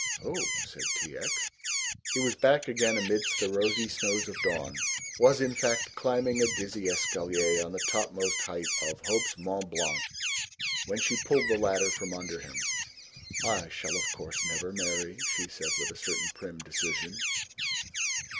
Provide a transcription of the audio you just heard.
"Oh," said T. X. He was back again amidst the rosy snows of dawn, was in fact climbing a dizzy escalier on the topmost height of hope's Mont Blanc when she pulled the ladder from under him. "I shall, of course, never marry," she said with a certain prim decision.